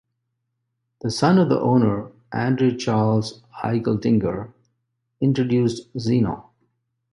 The son of the owner, Andre-Charles Eigeldinger, introduced Zeno.